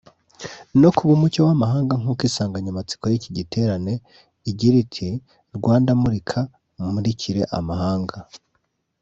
no kuba umucyo w’amahanga nk’uko insanganyamatsiko y’iki giterane igira iti ‘Rwanda murika umurikire amahanga’